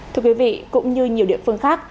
thưa quý vị cũng như nhiều địa phương khác